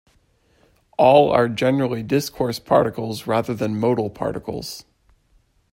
All are generally discourse particles rather than modal particles.